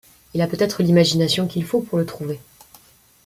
Il a peutêtre l'imagination qu'il faut pour le trouver.